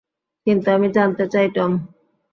কিন্তু আমি জানতে চাই, টম।